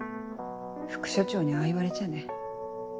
副署長にああ言われちゃね。